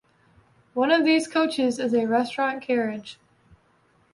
One of these coaches is a restaurant carriage.